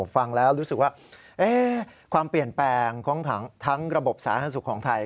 ฟังแล้วรู้สึกว่าความเปลี่ยนแปลงของทั้งระบบสาธารณสุขของไทย